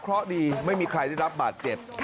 เพราะดีไม่มีใครได้รับบาดเจ็บ